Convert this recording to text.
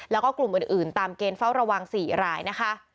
แล้วก็กลุ่มอื่นตามเกณฑ์เฝ้าระวัง๔รายนะคะ